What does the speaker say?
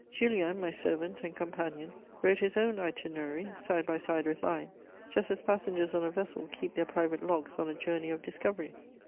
Julien, my servant and companion, wrote his own Itinerary side by side with mine, just as passengers on a vessel keep their private logs on a journey of discovery.